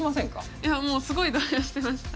いやもうすごい動揺してました。